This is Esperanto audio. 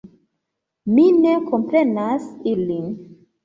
Mi ne komprenas ilin.